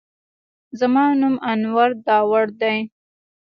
زما نوم انور داوړ دی